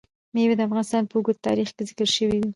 مېوې د افغانستان په اوږده تاریخ کې ذکر شوی دی.